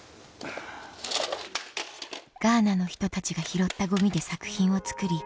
ガーナの人たちが拾ったゴミで作品を作り